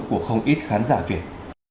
của không ít khán giả việt